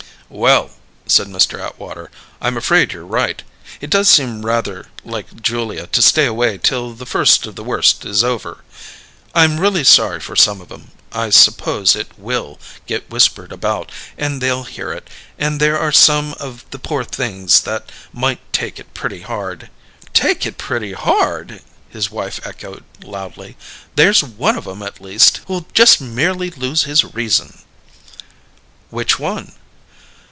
"Well," said Mr. Atwater, "I'm afraid you're right. It does seem rather like Julia to stay away till the first of the worst is over. I'm really sorry for some of 'em. I suppose it will get whispered about, and they'll hear it; and there are some of the poor things that might take it pretty hard." "'Take it pretty hard!'" his wife echoed loudly. "There's one of 'em, at least, who'll just merely lose his reason!" "Which one?"